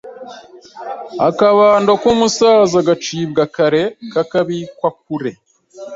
Akabando k’ubusaza gacibwa kare kakabikwa kure